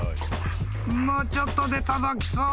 ［もうちょっとで届きそう］